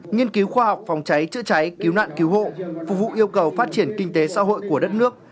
nghiên cứu khoa học phòng cháy chữa cháy cứu nạn cứu hộ phục vụ yêu cầu phát triển kinh tế xã hội của đất nước